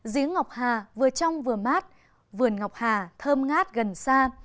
giếng ngọc hà vừa trong vừa mát vườn ngọc hà thơm ngát gần xa